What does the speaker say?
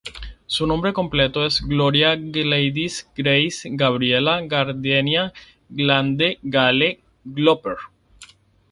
Su nombre completo es Gloria Gladys Grace Gabriella Gardenia Glenda Gale Gopher.